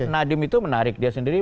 nadiem itu menarik dia sendiri